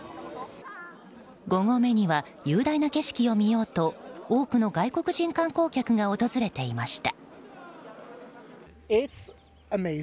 ５合目には雄大な景色を見ようと多くの外国人観光客が訪れていました。